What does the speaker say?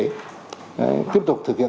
đấy tiếp tục thực hiện